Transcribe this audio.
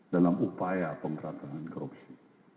dalam upaya pemerantahan korupsi